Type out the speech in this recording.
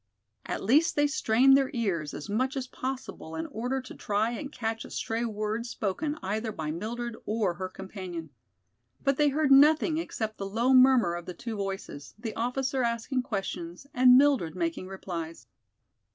At least they strained their ears as much as possible in order to try and catch a stray word spoken either by Mildred or her companion. But they heard nothing except the low murmur of the two voices, the officer asking questions and Mildred making replies.